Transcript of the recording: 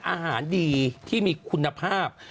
อาหารดีที่มีคุณภาพ